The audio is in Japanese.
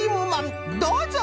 どうぞ！